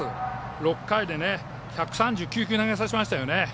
６回で１３９球投げさせましたよね。